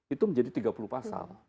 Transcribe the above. itu menjadi tiga puluh pasal